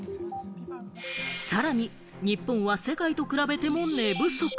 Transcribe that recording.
さらに日本は世界と比べても寝不足。